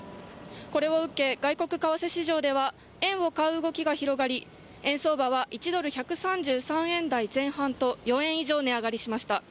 これを受け、外国為替市場では円を買う動きが広がり円相場は１ドル＝１３３円台前半と４円以上値上がりしました。